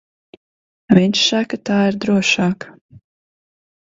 Viņš saka, tā ir drošāk.